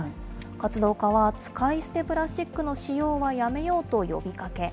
活動家は、使い捨てプラスチックの使用はやめようと呼びかけ。